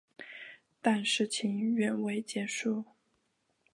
但事情远未结束。